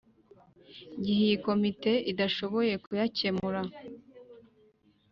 gihe iyi Komite idashoboye kuyacyemura